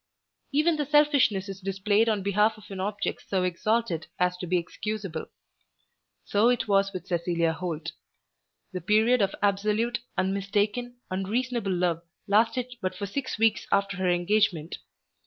Even the selfishness is displayed on behalf of an object so exalted as to be excusable. So it was with Cecilia Holt. The period of absolute, unmistaken, unreasonable love lasted but for six weeks after her engagement.